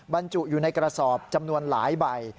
บรรจุอยู่ในกระสอบจำนวนหลายใบ